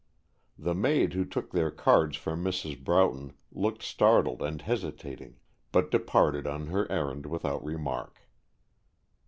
The maid who took their cards for Mrs. Broughton looked startled and hesitating, but departed on her errand without remark.